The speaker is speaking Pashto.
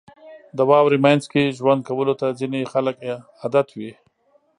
• د واورې مینځ کې ژوند کولو ته ځینې خلک عادت وي.